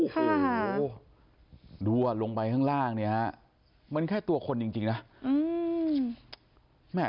โหดูลงไปข้างล่างเหมือนแค่ตัวคนจริงนะ